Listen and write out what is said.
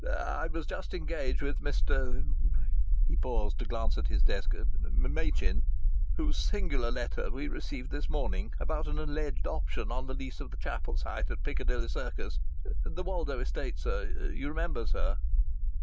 "I was just engaged with Mr." (he paused to glance at his desk) "Machin, whose singular letter we received this morning about an alleged option on the lease of the Chapel site at Piccadilly Circus the Woldo estate, sir. You remember, sir?"